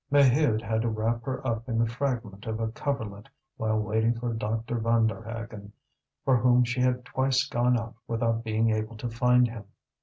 Maheude had to wrap her up in the fragment of a coverlet while waiting for Dr. Vanderhaghen, for whom she had twice gone out without being able to find him.